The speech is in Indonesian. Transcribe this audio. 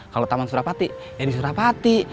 kalau taman surapati ya di surapati